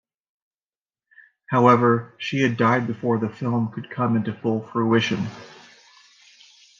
However, she had died before the film could come into full fruition.